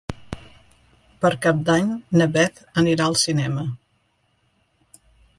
Per Cap d'Any na Beth anirà al cinema.